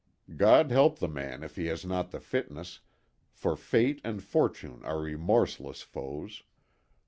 God help the man if he has not the fitness, for Fate and Fortune are remorseless foes.